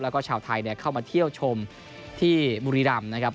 แล้วก็ชาวไทยเข้ามาเที่ยวชมที่บุรีรำนะครับ